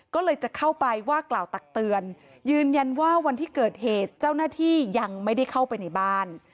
ก็เลยจะเข้าไปว่ากล่าวตักเตือนยืนยันว่าวันที่เกิดเหตุเจ้าหน้าที่ยังไม่ได้เข้าไปในบ้าน